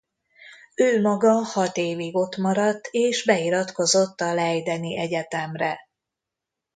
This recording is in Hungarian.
Ő maga hat évig ott maradt és beiratkozott a leideni egyetemre.